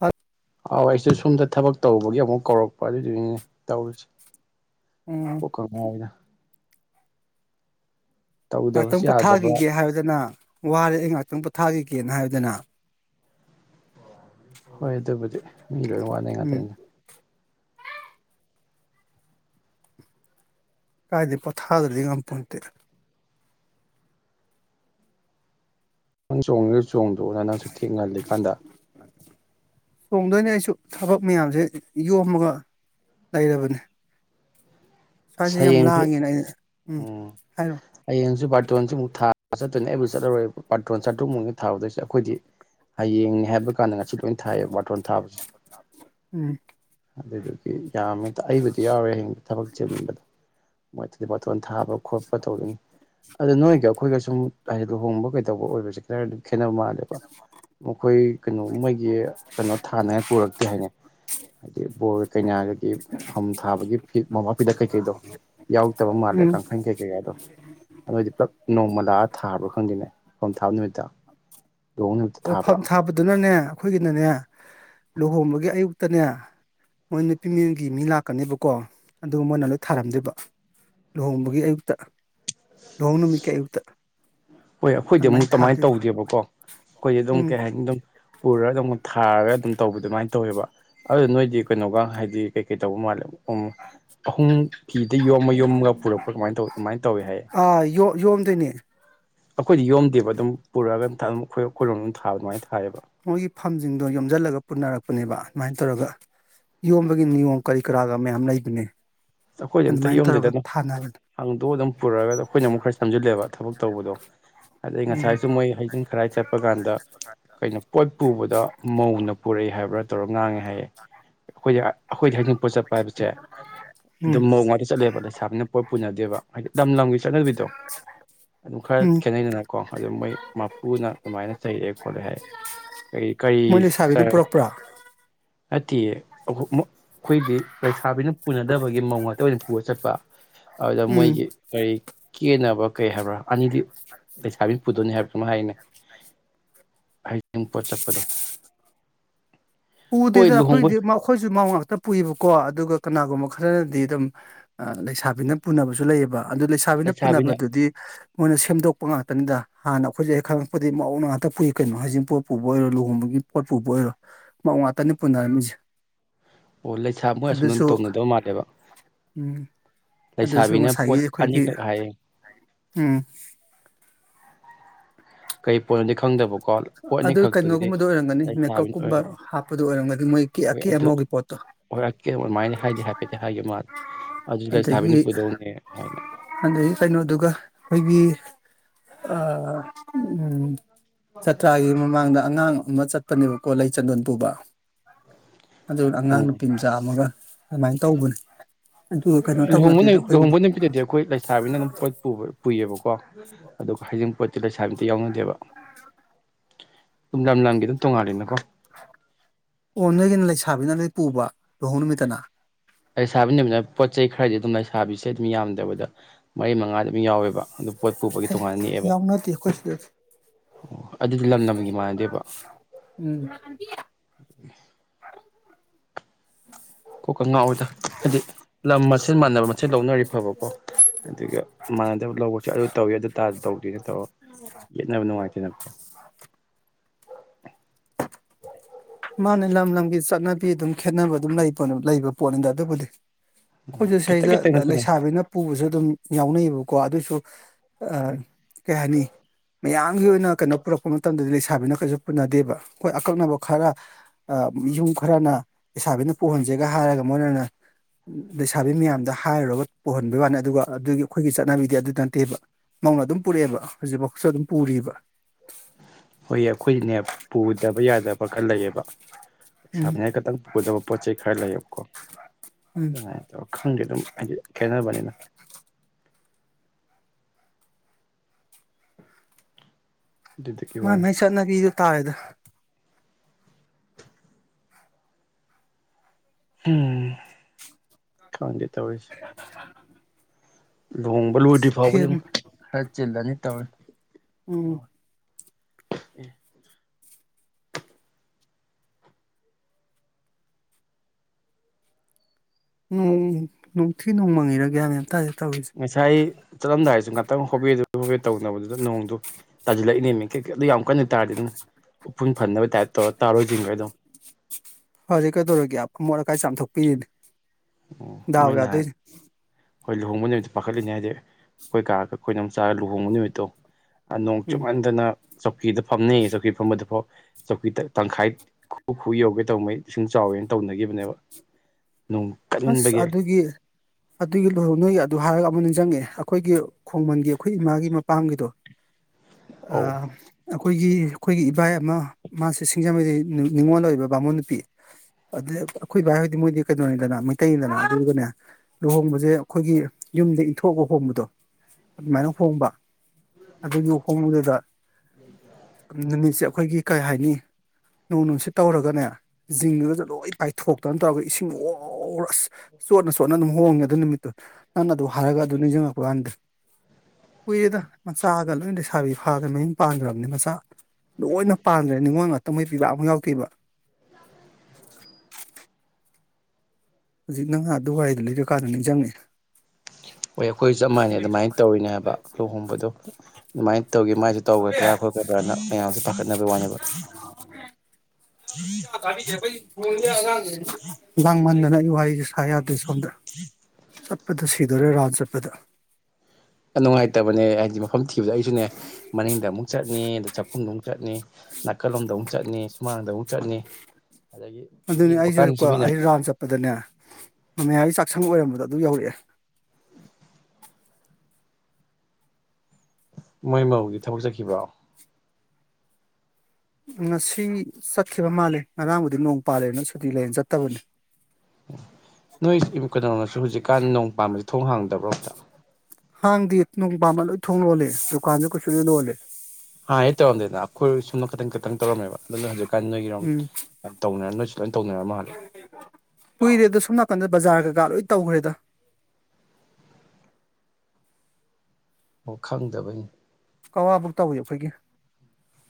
ꯑ ꯑꯥꯎ ꯑꯩꯁꯨ ꯁꯣꯝꯗ ꯊꯕꯛ ꯇꯧꯕꯒꯤ ꯑꯃꯨꯛ ꯀꯧꯔꯛꯄ ꯑꯗꯨꯗꯨꯅꯤꯅꯦ ꯇꯧꯔꯤꯁꯦ ꯎꯝ ꯀꯣꯛꯀ ꯉꯥꯎꯏꯗ꯫ ꯉꯥꯏꯇꯪ ꯇꯧꯗꯕꯁꯨ ꯌꯥꯗꯕ ꯄꯣꯊꯥꯈꯤꯒꯦ ꯍꯥꯏꯌꯨꯗꯅ ꯋꯥꯔꯦ ꯑꯩ ꯉꯥꯛꯇꯪ ꯄꯣꯊꯥꯈꯤꯒꯦꯅ ꯍꯥꯏꯌꯨꯗꯅ ꯍꯣꯏ ꯑꯗꯨꯕꯨꯗꯤ ꯃꯤ ꯂꯣꯏ ꯋꯥꯅꯩ ꯎꯝ ꯉꯥꯛꯇꯅꯤꯅꯦ ꯀꯥꯏꯗꯩ ꯄꯣꯊꯥꯗ꯭ꯔꯗꯤ ꯉꯝꯄꯣꯟꯇꯦ꯫ [unintelligible] ꯅꯪ ꯁꯨꯇꯥ ꯉꯜꯂꯤꯀꯥꯟꯗ ꯆꯣꯡꯗꯣꯏꯅꯦ ꯑꯩꯁꯨ ꯊꯕꯛ ꯃꯌꯥꯝꯁꯦ ꯌꯣꯝꯃꯒ ꯂꯩꯔꯕꯅꯦ ꯁ꯭ꯋꯥꯏꯁꯦ ꯌꯥꯝ ꯍꯌꯦꯡꯁꯨ ꯂꯥꯡꯉꯦꯅ ꯑꯩꯅ ꯎꯝ ꯍꯥꯏꯔꯣ ꯍꯌꯦꯡꯁꯨ ꯕꯥꯔꯇꯣꯟꯁꯨ ꯑꯃꯨꯛ ꯊꯥ ꯆꯠꯇꯣꯏꯅꯤ ꯑꯩꯕꯨ ꯆꯠꯂꯔꯣꯏ [unintelligible] ꯕꯔꯥꯇꯣꯟ ꯆꯥꯇ꯭ꯔꯨꯛ ꯃꯨꯒ ꯊꯥꯔꯗꯣꯏꯁꯦ ꯑꯩꯈꯣꯏꯗꯤ ꯍꯌꯦꯡꯅꯤ ꯍꯥꯏꯕ ꯀꯥꯟꯗ ꯉ [unintelligible] ꯊꯥꯏꯌꯦ ꯕꯥꯔꯇꯣꯟ ꯊꯥꯕꯁꯦ꯫ ꯎꯝ ꯑꯗꯨꯗꯨꯒꯤ ꯌꯥꯝꯃꯦ ꯑꯩꯕꯨꯗꯤ ꯌꯥꯎꯔꯔꯣꯏ ꯍꯌꯦꯡ ꯊꯕꯛ ꯆꯤꯟꯕꯗꯣ ꯃꯥꯏ ꯊꯗꯩ ꯕꯥꯔꯇꯣꯟ ꯊꯥꯕ ꯈꯣꯠꯄ ꯇꯧꯗꯣꯏꯅꯤ ꯑꯗꯣ ꯅꯣꯏꯒ ꯑꯩꯈꯣꯏꯒ ꯁꯨꯝ ꯍꯥꯏꯗꯤ ꯂꯨꯍꯣꯡꯕ ꯀꯩꯗꯧꯕ ꯑꯣꯏꯕꯁꯦ ꯈꯔꯗꯤ ꯈꯦ- ꯈꯦꯠꯅꯕ ꯃꯥꯜꯂꯦꯕ ꯃꯈꯣꯏ ꯀꯩꯅꯣ ꯃꯣꯏꯒꯤ ꯀꯩꯅꯣ ꯊꯥꯅꯉꯥꯏ ꯄꯨꯔꯛꯇꯦ ꯍꯥꯏꯅꯦ ꯍꯥꯏꯗꯤ ꯕꯣꯔꯒ ꯀꯩꯅꯥꯒꯒꯤ ꯐꯝ ꯊꯥꯕꯒꯤ ꯐꯤ- ꯃꯣꯝꯄꯥꯛ ꯐꯤꯗꯛ ꯀꯩꯀꯩꯗꯣ ꯌꯥꯎꯔꯛꯇꯕ ꯃꯥꯜꯂꯦ ꯎꯝ ꯀꯥꯡꯈꯜ ꯀꯩ ꯀꯩ ꯒꯥꯗꯣ ꯑꯈꯣꯏꯗꯤ ꯄꯨꯂꯞ- ꯅꯣꯡꯃ ꯂꯥꯛꯑ- ꯊꯥꯕ꯭ꯔꯥ ꯈꯪꯗꯦꯅꯦ ꯐꯝ ꯊꯥꯕ ꯅꯨꯃꯤꯠꯇ ꯂꯨꯍꯣꯡ ꯅꯨꯃꯤꯠꯇ ꯑꯣ ꯊꯥꯕ꯭ꯔꯥ ꯐꯝ ꯊꯥꯕꯗꯨꯅꯅꯦ ꯑꯩꯈꯣꯏꯒꯤꯅꯅꯦ ꯂꯨꯍꯣꯡꯕꯒꯤ ꯑꯌꯨꯛꯇꯅꯦ ꯃꯣꯏ ꯅꯨꯄꯤ ꯃꯌꯨꯝꯒꯤ ꯃꯤ ꯂꯥꯛꯀꯅꯤꯕꯀꯣ ꯑꯗꯨꯒ ꯃꯣꯏꯅ ꯂꯣꯏ ꯊꯥꯔꯝꯗꯣꯏꯕ ꯂꯨꯍꯣꯡꯕꯒꯤ ꯑꯌꯨꯛꯇ ꯂꯨꯍꯣꯡ ꯅꯨꯃꯤꯠꯀꯤ ꯑꯌꯨꯛꯇ ꯍꯣꯏ ꯑꯩꯈꯣꯏꯗꯤ ꯑꯃꯨꯛ ꯑꯗꯨꯃꯥꯏꯅ ꯇꯃꯥꯏ ꯊꯥꯗꯣꯏꯕ ꯇꯧꯗꯦꯕꯀꯣ ꯈꯣ- ꯈꯣꯏꯗꯤ ꯗꯨꯝ ꯎꯝ ꯀꯩ ꯍꯥꯏꯅꯤ ꯗꯨꯝ ꯄꯨꯔꯥ ꯂꯧ [unintelligible] ꯊꯥꯔꯒ ꯑꯗꯨꯝ ꯇꯧꯕ ꯑꯗꯨꯃꯥꯏꯅ ꯇꯧꯋꯦꯕ ꯑꯗꯨ ꯅꯣꯏꯗꯤ ꯀꯩꯅꯣꯒ ꯍꯥꯏꯗꯤ ꯀꯩ ꯀꯩ ꯇꯧꯕ ꯃꯥꯜꯂꯦ ꯎꯝ ꯑꯍꯨꯝ ꯐꯤꯗ ꯌꯣꯝꯃ ꯌꯣꯝꯃꯒ ꯄꯨꯔꯛꯄ꯭ꯔꯥ ꯀꯃꯥꯏꯅ ꯇꯧ ꯑꯗꯨꯃꯥꯏꯅ ꯇꯧꯋꯤ ꯍꯥꯏꯌꯦ ꯑꯥ ꯌꯣꯝꯗꯣꯏꯅꯦ ꯑꯩꯈꯣꯏꯗꯤ ꯌꯣꯝꯗꯦꯕ ꯑꯗꯨꯝ ꯄꯨꯔꯛꯑꯒ ꯑꯗꯨꯝ ꯊꯥ ꯑꯗꯨꯝ ꯈꯣꯏꯔꯣꯝ ꯈꯣꯏꯔꯣꯝꯒꯤ ꯊꯥꯕ ꯑꯗꯨꯃꯥꯏꯅ ꯊꯥꯏ ꯃꯣꯏꯒꯤ ꯐꯝꯖꯤꯡꯗꯣ ꯌꯣꯝꯖꯜꯂꯒ ꯄꯨꯅꯔꯛꯄꯅꯦꯕ ꯁꯨꯃꯥꯏꯅ ꯇꯧꯔꯒ ꯌꯣꯝꯕꯒꯤ ꯅꯤꯌꯣꯝ ꯀꯔꯤ ꯀꯔꯥꯒ ꯃꯌꯥꯝ ꯂꯩꯕꯅꯦ ꯑꯩꯈꯣꯏꯗꯤ ꯑꯝꯇ ꯑꯗꯨꯃꯥꯏꯅ ꯌꯣꯝꯗꯦꯗ ꯇꯧꯔꯒ ꯑꯗꯨꯝ ꯊꯥꯅꯕꯅꯦ ꯍꯥꯡꯗꯣꯛꯑ ꯑꯗꯨꯝ ꯄꯨꯔꯛꯑꯒ ꯑꯩꯈꯣꯏꯅ ꯑꯃꯨꯛ ꯈꯔ ꯁꯝꯖꯤꯜꯂꯦꯕ ꯊꯕꯛ ꯇꯧꯕꯗꯣ ꯑꯗꯩ ꯎꯝ ꯉꯁꯥꯏꯁꯨ ꯃꯣꯏ ꯍꯩꯖꯤꯡ ꯈꯔꯥꯏ ꯆꯠꯄ ꯀꯥꯟꯗ ꯀꯩꯅꯣ ꯄꯣꯠ ꯄꯨꯕꯗꯣ ꯃꯧꯅ ꯄꯨꯔꯛꯏ ꯍꯥꯏꯕ꯭ꯔꯥ ꯇꯧꯔꯒ ꯉꯥꯡꯉꯦ ꯍꯥꯏꯌꯦ ꯑꯩꯈꯣꯏ ꯑꯩꯈꯣꯏꯗꯤ ꯍꯩꯖꯤꯡ ꯄꯣꯠ ꯆꯠꯄ ꯍꯥꯏꯕꯁꯦ ꯎꯝ ꯑꯗꯨꯝ ꯃꯧ ꯉꯥꯛꯇ ꯆꯠꯂꯦꯕ ꯂꯩꯁꯥꯕꯤꯅ ꯄꯣꯠ ꯄꯨꯅꯗꯦꯕ ꯍꯥꯏꯗꯤ ꯂꯝ ꯂꯝꯒꯤ ꯆꯠꯅꯕꯤꯗꯣ ꯑꯗꯨꯝ ꯈꯔ ꯎꯝ ꯈꯦꯠꯅꯩꯗꯅꯀꯣ ꯑꯗꯨꯝ ꯃꯣꯏ ꯃꯄꯨꯅ ꯑꯗꯨꯃꯥꯏꯅ ꯆꯩꯔꯛꯑꯦ ꯈꯣꯠꯂꯦ ꯍꯥꯏ ꯀꯩꯀꯩ ꯀꯔꯤ ꯃꯣꯏ ꯂꯩꯁꯥꯕꯤꯅ ꯆꯥꯔ- ꯄꯨꯔꯛꯄ꯭ꯔꯥ ꯅꯠꯇꯦꯌꯦ ꯑꯈꯣ ꯃꯣ ꯑꯩꯈꯣꯏꯗꯤ ꯂꯩꯁꯥꯕꯤꯅ ꯄꯨꯅꯗꯕ- ꯃꯧ ꯉꯥꯛꯇ ꯑꯣꯏꯅ ꯄꯨꯔ ꯆꯠꯄ ꯑꯗꯨꯗ ꯎꯝ ꯃꯣꯏꯒꯤ ꯀꯔꯤ ꯀꯦꯅꯕ ꯀꯩ ꯍꯥꯏꯕ꯭ꯔꯥ ꯑꯅꯤꯗꯤ ꯂꯩꯁꯥꯕꯤ ꯄꯨꯗꯨꯅꯤ ꯍꯥꯏꯕ꯭ꯔ ꯑꯃ ꯍꯥꯏꯅꯦ ꯍꯩꯖꯤꯡ ꯄꯣꯠ ꯆꯠꯄꯗꯣ ꯍꯣꯏ ꯄꯨꯗꯦꯗ ꯂꯨꯍꯣꯡꯕ ꯑꯩꯈꯣꯏꯗꯤ ꯃꯧ ꯑꯩꯈꯣꯏꯁꯨ ꯃꯧ ꯉꯥꯛꯇ ꯄꯨꯏꯕꯀꯣ ꯑꯗꯨꯒ ꯀꯅꯥꯒꯨꯝꯕ ꯈꯔꯅꯗꯤ ꯑꯗꯨꯝ ꯑ ꯂꯩꯁꯥꯕꯤꯅ ꯄꯨꯅꯕꯁꯨ ꯂꯩꯌꯦꯕ ꯑꯗꯨ ꯂꯩꯁꯥꯕꯤꯅ ꯄꯨꯅꯕꯗꯨꯗꯤ ꯃꯣꯏꯅ ꯁꯦꯝꯗꯣꯛ- ꯄ ꯉꯥꯛꯇꯅꯤꯗ ꯍꯥꯟꯅ ꯑꯩꯈꯣꯏꯖꯦ ꯍꯦꯛ ꯈꯪꯉꯛꯄꯗꯩ ꯃꯧꯅ ꯉꯥꯛꯇ ꯄꯨꯨꯏ ꯀꯩꯅꯣ ꯍꯩꯖꯤꯡ ꯄꯣꯠ ꯄꯨꯕ ꯑꯣꯏꯔꯣ ꯂꯨꯍꯣꯡꯕꯒꯤ ꯄꯣꯠ ꯄꯨꯕ ꯑꯣꯏꯔꯣ ꯃꯧ ꯉꯥꯛꯇꯅꯤ ꯄꯨꯅꯔꯝꯃꯤꯁꯦ ꯑꯣ ꯂꯩꯁꯥ ꯃꯣꯏ ꯑꯁꯣꯝ ꯑꯗꯨꯁꯨ ꯗꯅ ꯇꯧꯅꯗꯕ ꯃꯥꯜꯂꯦꯕ ꯎꯝ ꯑꯗꯨꯁꯨ ꯂꯩꯁꯥꯕꯤꯅ ꯉꯁꯥꯏꯒꯤ ꯄꯣꯠ ꯑꯩꯈꯣꯏꯒꯤ ꯑꯅꯤꯈꯛ ꯍꯥꯏꯌꯦ ꯎꯝ ꯀꯔꯤ ꯄꯣꯠꯅꯣꯗꯤ ꯈꯪꯗꯕꯀꯣ ꯄꯣꯠ ꯑꯅꯤ ꯑꯗꯨ ꯈꯛꯇꯨꯗꯤ ꯀꯩꯅꯣꯒꯨꯝꯕꯗꯣ ꯑꯣꯏꯔꯝꯒꯅꯤ ꯂꯩꯁꯥꯕꯤꯅ ꯃꯦꯀꯞꯀꯨꯝꯕ ꯑꯣꯏꯅꯤ ꯍꯥꯞꯄꯗꯣ ꯑꯣꯏꯔꯝꯒꯅꯤ ꯃꯣꯏ ꯀꯦ ꯍꯣꯏ ꯑꯀꯦ ꯑꯗꯨ ꯑꯃꯧꯒꯤ ꯄꯣꯠꯇꯣ ꯍꯣꯏ ꯑꯀꯦ ꯑꯃꯧ ꯑꯗꯨꯃꯥꯏꯅ ꯍꯥꯏꯗꯤ ꯍꯥꯏꯐꯦꯠꯇꯤ ꯍꯥꯏꯒꯤ ꯃꯥꯜꯂꯦ ꯑꯗꯨ ꯂꯩꯁꯥꯕꯤꯅ ꯑꯗꯒꯤ ꯄꯨꯗꯧꯅꯦ ꯍꯥꯏꯅ ꯑ ꯎꯝ ꯆꯇ꯭ꯔꯥꯒꯤ ꯃꯃꯥꯡꯗ ꯑꯉꯥꯡ ꯑꯃ ꯆꯠꯄꯅꯦꯕꯀꯣ ꯂꯩ ꯆꯟꯗꯣꯟ ꯄꯨꯕ ꯑꯗꯨ ꯑꯉꯥꯡ ꯎꯝ ꯅꯨꯄꯤ ꯃꯆꯥ ꯑꯃꯒ ꯑꯗꯨꯃꯥꯏꯅ ꯇꯧꯕꯅꯦ ꯑꯗꯨꯒ ꯀꯩꯅꯣ ꯂꯨꯍꯣꯡꯕ ꯇꯧꯅꯗꯦꯗ ꯅꯨꯃꯤꯠ ꯑꯩꯈꯣꯏꯒꯤꯗꯤ ꯂꯨꯍꯣꯡꯕ ꯄꯨꯨꯏꯑꯕꯀꯣ ꯑꯗꯨꯒ ꯍꯥꯏꯖꯡ ꯄꯣꯠꯇꯤ ꯂꯩꯁꯥ ꯑꯇ ꯌꯥꯎꯅꯗꯦꯕ ꯥꯂꯝ ꯂꯝꯒꯤ ꯑꯗꯨꯝ ꯇꯣꯉꯥꯜꯂꯤꯅꯀꯣ ꯏꯁꯥꯕꯤꯅ ꯂꯣꯏ ꯄꯨꯕ ꯂꯨꯍꯣꯡ ꯅꯨꯃꯤꯠꯇꯅ ꯂꯩꯁꯥꯕꯤꯅꯦꯕꯅ ꯄꯣꯠ ꯆꯩ ꯈꯔꯗꯤ ꯑꯗꯨꯝ ꯂꯩꯁꯥꯕꯤꯁꯦ ꯑꯗꯨꯝ ꯌꯥꯝꯗꯕꯗ ꯃꯔꯤ ꯃꯉꯥꯗ ꯑꯗꯨꯝ ꯌꯥꯎꯋꯦꯕ ꯑꯗꯨ ꯄꯣꯠ ꯄꯨꯕꯒꯤ ꯍꯩ ꯇꯣꯉꯥꯟꯅ ꯅꯦꯛꯑꯦꯕ ꯌꯥꯎꯅꯗꯦ ꯑꯈꯣꯏꯁꯤꯗ ꯑꯗꯨꯗꯤ ꯂꯝ ꯂꯝꯒꯤ ꯃꯥꯟꯅꯗꯦꯕ ꯎꯝ ꯀꯉꯑꯣꯏꯗ ꯍꯥꯏꯗꯤ ꯂꯝ ꯃꯆꯦꯜ ꯃꯥꯟꯅꯕ ꯃꯆꯦꯜ ꯑꯉꯥꯑꯣꯏꯗ ꯍꯥꯏꯗꯤ ꯂꯝ ꯃꯁꯦꯟ ꯃꯥꯅꯕ ꯃꯁꯦꯟ ꯂꯧꯅꯔꯤ ꯐꯕꯀꯣ ꯑꯗꯨꯒ ꯃꯥꯟꯅꯗꯕ ꯂꯧꯕꯁꯨ ꯑꯗꯨ ꯇꯧꯋꯤ ꯑꯗꯨ ꯇꯥ ꯇꯧꯗꯦꯅ ꯇꯧꯔ ꯌꯦꯠꯅꯕ ꯅꯨꯡꯉꯥꯏꯇꯦꯅꯀꯣ ꯃꯥꯅꯦ ꯂꯝ ꯂꯝꯒꯤ ꯆꯠꯅꯕꯤ ꯑꯗꯨꯝ ꯈꯦꯠꯅꯕ ꯑꯗꯨꯝ ꯂꯩꯕ ꯂꯩꯕ ꯄꯣꯠꯅꯤꯗ ꯑꯗꯨꯕꯨꯗꯤ ꯑꯩꯈꯣꯏꯁꯨ ꯈꯤꯇꯪ ꯁꯩꯖꯤꯗ ꯈꯤꯇꯪ ꯅꯠꯇꯅꯦ ꯂꯩꯁꯥꯕꯤꯅ ꯄꯨꯕꯁꯨ ꯑꯗꯨꯝ ꯌꯥꯎꯅꯩꯌꯦꯕꯀꯣ ꯑꯗꯨꯁꯨ ꯑ ꯀꯩ ꯍꯥꯏꯅꯤ ꯃꯌꯥꯝꯒꯤ ꯑꯣꯏꯅ ꯀꯩꯅꯣ ꯄꯨꯔꯛꯄ ꯃꯇꯝꯗꯗꯤ ꯂꯩꯁꯥꯕꯤꯅ ꯀꯩꯁꯨ ꯄꯨꯅꯗꯦꯕ ꯑꯩꯈꯣꯏ ꯑꯀꯛꯅꯕ ꯈꯔ ꯌꯨꯝ ꯈꯔꯅ ꯂꯩꯁꯥꯕꯤꯅ ꯄꯨꯍꯟꯁꯦꯒ ꯍꯥꯏꯔꯒ ꯃꯣꯏꯅꯅ ꯂꯩꯁꯥꯕꯤ ꯃꯌꯥꯝꯗ ꯍꯥꯏꯔꯨꯔꯒ ꯄꯣꯍꯟꯕꯒꯤ ꯋꯥꯅꯤ ꯑꯗꯨꯒ ꯑꯗꯨꯒꯤ ꯑꯩꯈꯣꯏꯒꯤ ꯆꯠꯅꯕꯤꯗꯤ ꯑꯗꯨ ꯅꯠꯇꯦꯕ ꯃꯧꯅ ꯑꯗꯨꯝ ꯄꯨꯔꯛꯑꯦꯕ ꯍꯧꯖꯤꯛꯐꯥꯎꯁꯨ ꯑꯗꯨꯝ ꯄꯨꯔꯤꯕ ꯍꯣꯏ ꯑꯩꯈꯣꯏꯅꯦ ꯄꯨꯗꯕ ꯌꯥꯗꯕ ꯈꯔ ꯂꯩꯌꯦꯕ ꯎꯝ ꯑꯦꯁꯥꯅꯤꯅ ꯈꯛꯇꯪ ꯄꯨꯒꯗꯕ ꯄꯣꯠ ꯆꯩ ꯈꯔ ꯂꯩꯌꯦꯕꯀꯣ ꯎꯝ ꯑꯗꯨꯃꯥꯏꯅ ꯇꯧꯔ ꯈꯪꯗꯦ ꯑꯗꯨꯝ ꯍꯥꯏꯗꯤ ꯈꯦꯠꯅꯕꯅꯤꯅ ꯑꯗꯨꯗꯨꯒꯤ ꯃꯥ ꯋꯥꯅꯤ ꯃꯩꯁꯥꯅꯒ ꯇꯥꯏꯗ ꯎꯝ ꯀ ꯠꯇ ꯑꯣꯏꯁ ꯂꯨꯍꯣꯡꯕ ꯂꯣꯏꯗ꯭ꯔꯤ ꯐꯥꯎꯕꯗꯤ ꯐꯦꯡ ꯑꯃꯨꯛ ꯈꯔ ꯆꯤꯜꯂꯅꯤ ꯇꯕ ꯎꯝ ꯎ ꯎꯝ ꯎ ꯅꯨꯡꯊꯤ ꯅꯣꯡ ꯃꯪꯉꯤꯔꯒꯦ ꯃꯝꯇ ꯉꯁꯥꯏ ꯆꯠꯂꯝꯗ ꯍꯥꯏꯁꯨ ꯈꯤꯇꯪ ꯍꯣꯕꯤꯦ ꯑꯗꯨ ꯍꯣꯦ ꯇꯧꯅꯕꯗꯨꯗ ꯅꯣꯡꯗꯨ ꯇꯥꯁꯤꯜꯂꯛꯏꯅꯦꯃꯤꯡ ꯀꯩꯩ ꯑꯗꯨ ꯌꯥꯝ ꯀꯟꯅ ꯇꯥꯗꯨꯅ ꯎꯄꯨꯟ ꯐꯅꯕ ꯇꯥꯏꯠ ꯇꯔꯨ ꯆꯤꯡꯒꯥꯏꯗ ꯃꯣꯃꫭꯠ ꯑꯀꯥꯏ ꯆꯥꯝꯊꯣꯛꯄꯤꯔꯤꯅꯤ ꯗꯧ ꯌꯥꯗꫭꯏꯖꯦ ꯑꯈꫭꯏ ꯂꯨꯍꯣꯡꯕ ꯅꯨꯃꯤꯠꯇꯣ ꯄꯥꯈꯠꯂꯤꯅꯤ ꯍꯥꯏꯗꯤ ꯑꯩꯈꯣꯏ ꯀꯥꯔꯒ ꯑꯩꯈꯣꯏꯅ ꯑꯃꯝ ꯆꯥꯔꯒ ꯂꯨꯍꯣꯡꯕ ꯅꯨꯃꯤꯠꯇꯣ ꯅꯣꯡ ꯎꯝ ꯆꯨꯞꯄꯟꯗꯅ ꯆꯧꯀ꯭ꯔꯤꯗ ꯐꯝꯅꯩ ꯆꯧꯀ꯭ꯔꯤ ꯐꯝꯕꯗꯨꯐꯥꯎ ꯆꯧꯀꯤ ꯇꯪꯈꯥꯏ ꯈꯨ ꯈꯨ ꯌꯧꯒꯦ ꯇꯧꯕꯉꯩ ꯏꯁꯤꯡ ꯆꯥꯎꯋꯦꯅ ꯇꯧꯅꯈꯤꯕꯅꯦꯕ ꯑꯁ ꯀꯟꯃꯟꯕꯒꯤ ꯑꯗꯨꯒꯤ ꯑꯗꯨꯒꯤ ꯂꯨꯍꯧꯅꯣꯏ ꯑꯗꯨ ꯍꯥꯏꯔꯒ ꯑꯃꯨꯛ ꯅꯤꯡꯁꯤꯡꯉꯛꯑꯦ ꯑꯩꯈꯣꯏꯒꯤ ꯈꯣꯡꯃꯟꯒꯤ ꯑꯩꯈꯣꯏ ꯏꯃꯥꯒꯤ ꯃꯄꯥꯝꯒꯤꯗꯣ ꯑ ꯑꯧ ꯑꯩꯈꯣꯏꯒꯤ ꯑꯩꯈꯣꯏꯒꯤ ꯏꯕꯥꯏ ꯑꯃ ꯃꯥꯁꯤ ꯁꯤꯡꯖꯃꯩꯗꯤ ꯅꯤꯡꯅꯤꯉꯣꯜ ꯑꯣꯏꯕ ꯕꯥꯃꯣꯟ ꯅꯨꯄꯤ ꯑꯗꯨꯗꯩ ꯑꯩꯈꯣꯏ ꯏꯕꯥꯏ ꯍꯣꯏꯗꯤ ꯃꯣꯏꯗꯤ ꯀꯩꯅꯣꯅꯤꯗꯅ ꯃꯩꯇꯩꯗꯅꯦ ꯑꯗꯨꯒꯅꯦ ꯂꯨꯍꯣꯡꯕꯁꯦ ꯑꯩꯈꯣꯏꯒꯤ ꯌꯨꯝꯗ ꯏꯟꯊꯣꯛꯑꯒ ꯍꯣꯡꯕꯗꯣ ꯑꯗꯨꯃꯥꯏꯅ ꯍꯣꯡꯕ ꯑꯗꯨꯒꯤ ꯍꯣꯡꯕꯗꯨꯗ ꯅꯨꯃꯤꯠꯁꯦ ꯑꯩꯈꯣꯏꯒꯤ ꯀꯩ ꯍꯥꯏꯅꯤ ꯅꯣꯡ ꯅꯨꯡꯁꯤꯠ ꯇꯧꯔꯒꯅꯦ ꯖꯤꯡꯒꯥꯒ ꯂꫭꯏ ꯐꯥꯏ ꯊꯣꯛꯇꯅ ꯇꯧꯔꯒ ꯏꯁꯤꯡꯒ ꯋꯥꯔ ꯑꯁ ꯆꯣꯠꯅ ꯆꯣꯠꯅ ꯑꯗꯨꯝ ꯍꯣꯡꯉꯦ ꯑꯗꯨ ꯅꯨꯃꯤꯠꯇꯨ ꯅꯪ ꯑꯗꯨ ꯍꯥꯏꯔꯒ ꯑꯗꯨ ꯅꯤꯡꯁꯤꯡꯉꯛꯄ ꯀꯥꯟꯗ ꯀꯨꯏꯔꯦꯗ ꯃꯆꯥꯒ ꯂꯣꯏꯅ ꯂꯩꯁꯥꯕꯤ ꯐꯥꯗ꯭ꯔꯅ ꯃꯌꯡ ꯄꯥꯟꯈ꯭ꯔꯕꯅꯤ ꯃꯆꯥ ꯂꯣꯏꯅ ꯄꯥꯟꯗ꯭ꯔꯦ ꯅꯤꯡꯉꯣꯜ ꯉꯥꯛꯇ ꯃꯩ ꯄꯤ ꯂꯥꯛ ꯑꯃ ꯌꯥꯎꯗꯦꯕ ꯍꯧꯖꯤꯛ ꯅꯪꯍ ꯑꯗꯨꯋꯥꯏꯗꫭ ꯂꯩꯕ ꯀꯥꯟꯗ ꯅꯤꯡꯖꯪꯉꯛꯑꯦ ꯍꯣꯏ ꯑꯩꯈꯣꯏ ꯆꯞ ꯃꯥꯟꯅꯩ ꯑꯗꯨꯃꯥꯏꯅ ꯇꯧꯔꯤꯅꯦ ꯍꯥꯏꯕ ꯂꯨꯍꯣꯡꯕꯗꯣ ꯑꯗꯨꯃꯥꯏꯅ ꯇꯧꯒꯦ ꯃꯥꯏꯁꯨ ꯇꯧꯒꯗ꯭ꯔꯥ ꯈꯣꯠꯀꯗ꯭ꯔꯅ ꯃꯌꯥꯝꯁꯦ ꯄꯥꯈꯠꯅꯕꯩ ꯋꯥꯅꯦꯕ [unintelligible] ꯒꯥ ꯋꯥꯔꯤꯖꯦ ꯊꯌꯥꯗꯤ ꯁꯣꯝꯗ꯭ꯔ ꯆꯠ ꯆꯄꯗ ꯁꯤꯗꯣꯔꯦ ꯔꯥꯎꯟ ꯆꯠꯄꯗ ꯑꯉꯥꯏ ꯐꯠꯇꯕꯅꯦ ꯍꯥꯏꯗꯤ ꯃꯐꯝ ꯊꯤꯕꯗ ꯑꯩꯁꯨꯅꯦ ꯃꯅꯤꯡꯗ ꯑꯃꯨꯛ ꯆꯠꯅꯤ ꯑꯗ ꯆꯥꯛꯈꯨꯝꯗ ꯑꯃꯨꯛ ꯆꯠꯅꯤ ꯅꯥꯀꯜꯂꯣꯝꯗ ꯑꯃꯨꯛ ꯆꯠꯅꯤ ꯁꯨꯃꯥꯡꯗ ꯑꯃꯨꯛ ꯆꯠꯅꯤ ꯑꯗꯒꯤ ꯑꯗꯨꯅꯦ ꯌꯦꯡꯕ ꯀꯥꯟꯗꯁꯨ ꯑꯩꯁꯨꯖꯤꯛꯀꯣ ꯃꯤꯅ ꯑꯩ ꯔꯥꯟ ꯆꯠꯄꯗꯅꯦ ꯃꯃꯌꯥꯒꯤ ꯆꯥꯛꯁꯪ ꯑꯣꯏꯔꯝꯕꯗꯣ ꯑꯗꯨ ꯌꯧꯔꯛꯑꯦ ꯃꯣꯏ ꯃꯧꯒꯤ ꯊꯕꯛ ꯆꯠꯈꯤꯕ꯭ꯔꯣ ꯉꯁꯤ ꯆꯠꯈꯤꯕ ꯃꯥꯜꯂꯦ ꯉꯔꯥꯡꯕꯨꯗꯤ ꯅꯣꯡ ꯄꯥꯜꯂꯦꯅ ꯁꯨꯇꯤ ꯂꯩꯔꯅ ꯆꯠꯇꯕꯅꯦ ꯅꯣꯏ ꯏ ꯀꯅꫭ ꯍꯧꯖꯤꯛꯀꯥꯟ ꯅꯣꯡ ꯄꯥꯟꯕꯁ ꯊꯣꯡ ꯍꯥꯡꯗꯕ꯭ꯔꯣꯛꯇ ꯍꯥꯡꯗꯤ ꯅꯣꯡꯃꯟꯕ ꯂꯣꯏ ꯊꯣꯡ ꯂꯣꯜꯂꯦ ꯗꯨꯀꯥꯟꯗ ꯀꯩꯁꯨ ꯂꯣꯏ ꯂꯣꯜꯂꯦ ꯍꯥ ꯑꯩ ꯇꯧꯔꯝꯗꯦꯅ ꯑꯈꯣꯏ ꯁꯨꯝꯃ ꯀꯇꯪ ꯀꯇꯪ ꯇꯧꯔꯝꯃꯦꯕ ꯑꯗꯨꯅ ꯍꯧꯖꯤꯛ ꯀꯟꯅꯒꯤꯔꯣꯝ ꯎꯝ ꯇꯧꯅꯔ ꯅꫭꯏꯁꯨ ꯀꯨꯏꯔꯦꯗ ꯁꫭꯝ ꯅꯀꯥꯟꯗ꯭ꯔ ꯕꯖꯔꯒ ꯀꯥ ꯂꯣꯏ ꯇꯧꯈ꯭ꯔꯦꯗ ꯑꯣ ꯈꯪꯗꯕꯅꯤ ꯀꯋꯥꯕꯨ ꯇꯧꯏ ꯑꯩꯈꯣꯏꯒꯤ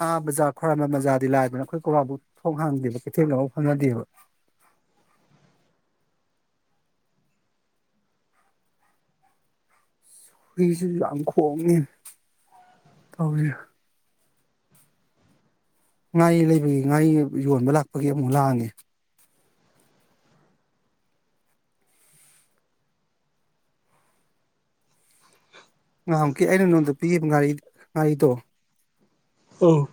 ꯑꯥ ꯕꯖꯥꯔ ꯈꯔꯝꯕ ꯕꯖꯥꯔꯗꯤ ꯂꯥꯏꯕꯅ ꯑꯩꯈꯣꯏ ꯀꯋꯥꯕꯨ ꯊꯣꯡ ꯍꯥꯡꯗꯦꯕ ꯀꯩꯊꯦꯜꯒꯥꯎ ꯐꯪꯅꯗꯦꯕ ꯍꯨꯏꯁꯤꯁꯨ ꯌꯥꯝ ꯈꯣꯡꯉꯦ ꯇꯧꯔꯤꯔ ꯉꯥ ꯂꯩꯕꯒꯤ ꯉꯥ ꯌꯣꯟꯕ ꯂꯥꯛꯄꯒꯤ ꯑꯃꯨꯛ ꯂꯥꯡꯉꯦ ꯉꯥꯏꯍꯨꯛꯀꯤ ꯑꯩꯅ ꯅꯉꯣꯟꯗ ꯄꯤꯈꯤꯕ ꯉꯥꯔꯤ ꯉꯥꯔꯤꯗꯣ ꯎ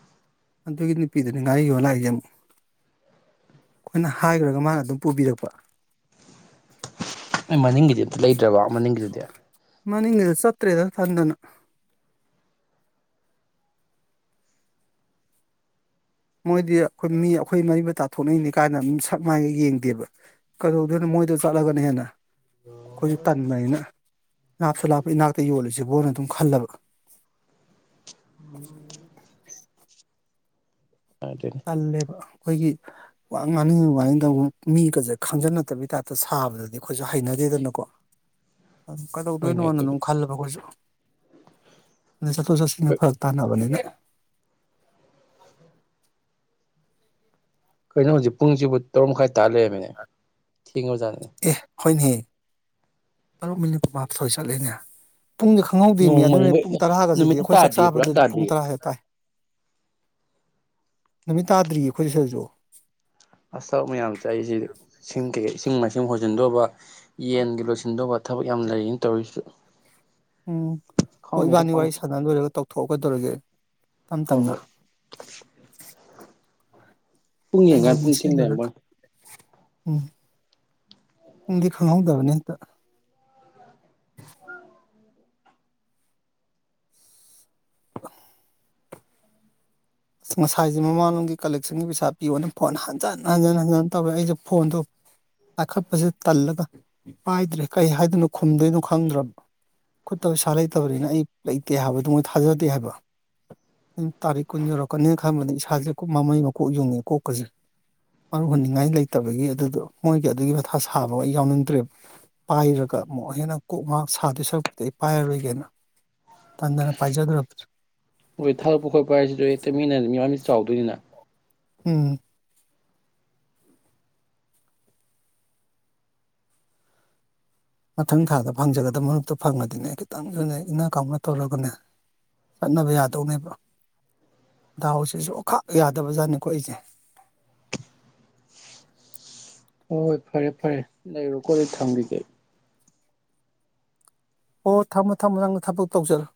ꯑꯗꯨꯒꯤ ꯅꯨꯄꯤꯗꯨꯅꯤ ꯉꯥꯔꯤꯣ ꯂꯥꯛꯏꯒꯦ ꯑꯃꯨꯛ ꯑꯩꯈꯣꯏꯅ ꯍꯥꯏꯈ꯭ꯔꯒ ꯃꯥꯅ ꯑꯗꯨꯝ ꯄꯨꯕꯤꯔꯛꯄ ꯑꯩ ꯃꯅꯤꯡꯒꯤꯗꯤ ꯑꯝꯇ ꯂꯩꯇ꯭ꯔꯕ ꯃꯅꯤꯡꯒꯤꯗꯨꯗꯤ ꯃꯥꯅꯤꯡ ꯉꯗꯨ ꯆꯠꯇꯦꯗ ꯊꯟꯗꯅ ꯃꯣꯏꯗꯤ ꯑꯩꯈꯣꯏ ꯃꯤ ꯑꯩꯈꯣꯏ ꯃꯔꯤ ꯃꯇꯥ ꯊꯣꯛꯅꯏꯅꯤ ꯀꯥꯏꯅ ꯑꯗꯨꯝ ꯁꯞ ꯃꯅꯒ ꯌꯦꯡꯗꯦꯕ ꯀꯩꯗꯧꯗꯣꯏꯅꯣ ꯃꯣꯏꯗ ꯆꯠꯂꯒꯅ ꯍꯦꯟꯅ ꯑꯩꯈꯣꯏꯁꯨ ꯇꯟꯕꯅꯤꯅ ꯂꯥꯞꯁꯨ ꯂꯥꯞꯄ ꯏꯅꯥꯛꯇ ꯌꯣꯜꯂꯤꯁꯤꯦ ꯕꯣꯟꯅ ꯑꯗꯨꯝ ꯈꯜꯂꯕ ꯑꯗꯨꯅꯤ ꯇꯜꯂꯦꯕ ꯑꯩꯈꯣꯏꯒꯤ ꯋꯥ ꯉꯥꯡꯅꯤꯡꯉꯤ ꯉꯥꯡꯅꯤꯡꯗꯕ ꯃꯤꯒꯁꯦ ꯈꯪꯖꯟꯅꯠꯇꯕꯒꯤ ꯇꯥꯏꯞꯇ ꯁꯥꯕꯗꯗꯤ ꯑꯩꯈꯣꯏꯁꯨ ꯍꯩꯅꯗꯦꯗꯅꯀꯣ ꯑꯗꯨꯝ ꯍꯣꯏꯅꯦ ꯀꯩꯗꯧꯗꯣꯏꯅꯣꯅ ꯑꯗꯨꯝ ꯑꯗꯨꯕꯨꯗꯤ ꯈꯜꯂꯕ ꯑꯩꯈꯣꯏꯁꯨ ꯑꯗꯩ ꯆꯠꯊꯣꯛ ꯆꯠꯁꯤꯟꯒ ꯐꯔꯛ ꯇꯥꯟꯅꯕꯅꯤꯅ ꯀꯩꯅꯣ ꯍꯧꯖꯤꯛ ꯄꯨꯡꯁꯤꯕꯨ ꯇꯔꯨꯛ ꯃꯈꯥꯏ ꯇꯂꯦ ꯃ ꯊꯤꯉꯣꯖꯦ ꯍꯅꯤꯦ ꯇꯔꯨꯛ ꯃꯤꯅꯤꯠ ꯀꯨꯃ ꯃꯥꯊꯣꯏ ꯆꯠꯂꯤꯅꯦ ꯄꯨꯡꯗꯤ ꯈꯪꯍꯧꯗꯣꯏꯅꯤ ꯅꯣꯡ ꯑꯗꯨꯅ ꯃꯪꯕꯩ ꯄꯨꯡ ꯇꯔꯥꯒꯁꯤꯗꯤ ꯅꯨꯃꯤꯠꯇꯤ ꯑꯩꯈꯣꯏ ꯆꯥꯛ ꯇꯥꯗ꯭ꯔꯤꯌꯦ ꯄꯨꯔꯥ ꯆꯥꯕꯗꯗꯤ ꯄꯨꯡ ꯇꯥꯗ꯭ꯔꯤꯌꯦ ꯇꯔꯥ ꯍꯥꯏꯦ ꯇꯥꯏ ꯅꯨꯃꯤꯠ ꯇꯥꯗ꯭ꯔꯤꯌꯦ ꯑꯩꯈꯣꯏ ꯁꯤ ꯁꯤꯗꯁꯨ ꯑꯁ ꯃꯌꯥꯝ ꯆꯥꯏꯁꯤ ꯏꯁꯤꯡ ꯀꯩꯀ ꯏꯁꯤꯡ ꯃꯥꯏ ꯏꯁꯤꯡ ꯍꯣꯏꯖꯤꯟꯗꯧꯕ ꯌꯦꯟꯒꯤ ꯂꯣꯏꯁꯤꯟꯗꯧꯕ ꯊꯕꯛ ꯌꯥꯝ ꯂꯩꯔꯤꯅ ꯇꯧꯔꯤꯁꯨ ꯎꯝ ꯍꯣꯏ ꯏꯕꯥꯅꯤ ꯋꯥꯔꯤ ꯁꯥꯟꯅ ꯂꯣꯏꯔꯒ ꯇꯧꯊꯣꯛꯑꯒ ꯇꯔꯒ ꯇꯝ ꯍꯣꯏ ꯇꯝꯅ ꯍꯣꯏ ꯄꯨꯨꯡꯉꯤ ꯌꯦꯛꯀꯟ ꯄꯨꯨꯡꯊꯦꯛꯂꯩꯔꯝꯕ ꯎꯝ ꯎꯪꯗꯤ ꯈꯪꯍꯧꯗꯕꯅꯦ ꯍꯟꯇ [unintelligible] ꯑꯁ ꯉꯁꯥꯏꯁꯦ ꯃꯃꯥꯡꯣꯒꯤ ꯀꯂꯦꯛꯁꯟꯒꯤ ꯄꯩꯁꯥ ꯄꯤꯌꯣꯅ ꯐꯣꯟ ꯍꯟꯖꯤꯟ ꯍꯟꯖꯤꯟ ꯍꯟꯖꯤꯟ ꯇꯧꯔꯦ ꯑꯩꯁꯨ ꯐꯣꯟꯗꯣ ꯄꯥꯏꯈꯠꯄꯁꯦ ꯇꯜꯂꯒ ꯄꯥꯏꯗ꯭ꯔꯦ ꯀꯩ ꯍꯥꯏꯗꯣꯏꯅꯣ ꯈꯨꯝꯗꯣꯏꯅꯣ ꯈꯪꯗ꯭ꯔꯕ ꯈꯨꯠꯇ ꯄꯩꯁꯥ ꯂꯩꯇꯕꯅꯤꯅ ꯑꯩ ꯂꯩꯇꯦ ꯍꯥꯏꯕꯗꯨꯣ ꯃꯣꯏ ꯊꯥꯖꯗꯦ ꯍꯥꯏꯕ ꯑꯗꯨ ꯇꯥꯔꯤꯛ ꯀꯨꯟꯖꯔꯛꯄ ꯀ ꯀꯀꯅꯤ ꯈꯟꯕꯗ ꯏꯁꯥꯁꯦ ꯃꯃꯩ ꯃꯀꯣꯛ ꯌꯨꯡꯉꯦ ꯀꯣꯛꯀꯁꯦ ꯃꯔꯨ ꯍꯟꯅꯤꯡꯉꯥꯏ ꯂꯩꯇꯕꯒꯤ ꯑꯗꯨꯗꯣ ꯃꯣꯏꯒꯤ ꯑꯗꯨꯒꯤ ꯃꯊꯥ ꯁꯥꯕ ꯑꯩ ꯌꯥꯎꯅꯤꯡꯗ꯭ꯔꯦꯕ ꯄꯥꯏꯔꯒ ꯑꯃꯨꯛ ꯍꯦꯟꯅ ꯀꯣꯛ ꯉꯥꯏꯍꯥꯛ ꯁꯥꯗꯣꯏ ꯁꯔꯛꯄꯗ ꯑꯩ ꯄꯥꯏꯔꯔꯣꯏꯒꯦꯅ ꯇꯟꯗꯅ ꯄꯥꯏꯖꯗ꯭ꯔꯕꯅꯤ ꯍ‌ꯣꯏ ꯊꯥꯎꯔꯛ ꯄꯨꯈꯔꯥꯏꯁꯁꯨ ꯏꯇꯩ ꯃꯤꯟꯅꯤ ꯃꯤ ꯋꯥ ꯃꯤ ꯆꯥꯎꯗꯣꯏꯅꯤꯅ ꯍꯝ ꯃꯊꯪ ꯊꯥꯗ ꯐꯪꯖꯒꯗꯕ ꯃꯔꯛꯇꯣ ꯐꯪꯉꯗꯤꯅꯦ ꯈꯤꯇꯪꯁꯨꯅ ꯏꯪꯅꯥ ꯀꯥꯎꯅ ꯇꯧꯔꯒꯅꯦ ꯆꯠꯅꯕ ꯌꯥꯗꯧꯅꯦꯕ ꯗꯥꯎꯁꯤꯁꯨ ꯑꯈꯥꯞ ꯌꯥꯗꯕ ꯖꯥꯠꯅꯤꯀꯣ ꯑꯩꯁꯦ ꯍꯣꯏ ꯍꯣꯏ ꯐꯔꯦ ꯐꯔꯦ ꯂꯩꯔꯣꯀꯣ ꯑꯗꯨ ꯊꯝꯕꯤꯒꯦ ꯑꯣ ꯊꯝꯃꯣ ꯊꯝꯃꯣ ꯅꯪꯅ ꯊꯕꯛ ꯇꯧꯖꯔꯣ